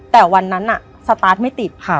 แต่วันนั้นสตาร์ทไม่ติดค่ะ